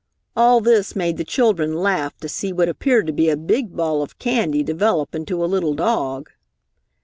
All this made the children laugh to see what appeared to be a big ball of candy develop into a little dog.